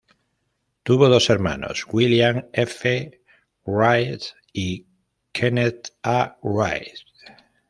Tuvo dos hermanos William F. Wright y Kenneth A. Wright.